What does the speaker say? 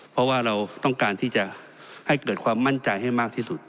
เพราะว่าเราต้องการที่จะให้เกิดความมั่นใจให้มากที่สุด